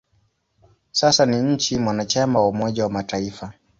Sasa ni nchi mwanachama wa Umoja wa Mataifa.